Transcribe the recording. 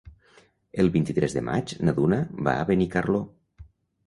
El vint-i-tres de maig na Duna va a Benicarló.